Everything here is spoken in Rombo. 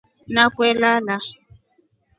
NA kwelala.